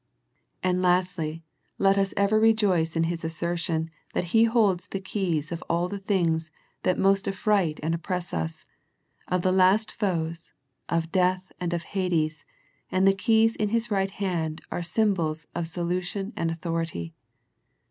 And lastly, let us ever rejoice in His asser tion that He holds the keys of all the things that most affright and oppress us, of the last foes, of death and of Hades, and the keys in His right hand are symbols of solution and authority.